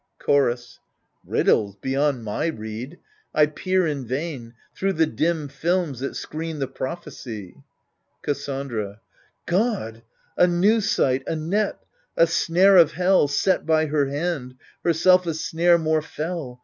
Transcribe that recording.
Chorus Riddles beyond my rede — I peer in vain Thro* the dim films that screen the prophecy. Cassandra God I a new sight ! a net, a snare of hell, Set by her hand — herself a snare more fell